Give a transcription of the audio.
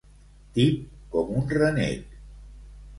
Tip com un rènec.